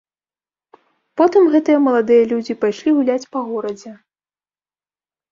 Потым гэтыя маладыя людзі пайшлі гуляць па горадзе.